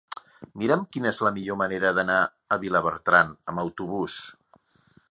Mira'm quina és la millor manera d'anar a Vilabertran amb autobús.